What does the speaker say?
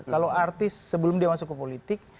kalau artis sebelum dia masuk ke politik